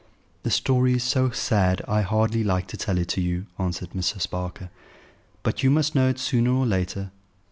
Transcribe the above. "The story is so sad I hardly like to tell it you," answered Mrs. Barker; "but you must know it sooner or later.